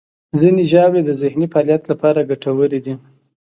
ځینې ژاولې د ذهني فعالیت لپاره ګټورې دي.